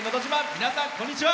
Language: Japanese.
皆さん、こんにちは。